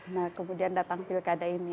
nah kemudian datang pilkada ini